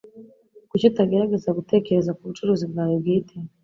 Kuki utagerageza gutekereza kubucuruzi bwawe bwite?